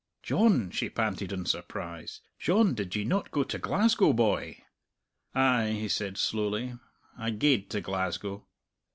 "John!" she panted, in surprise "John, did ye not go to Glasgow, boy?" "Ay," he said slowly, "I gaed to Glasgow."